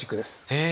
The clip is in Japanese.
へえ！